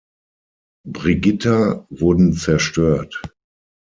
Brigitta wurden zerstört.